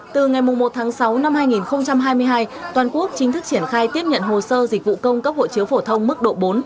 từ ngày một tháng sáu năm hai nghìn hai mươi hai toàn quốc chính thức triển khai tiếp nhận hồ sơ dịch vụ công cấp hộ chiếu phổ thông mức độ bốn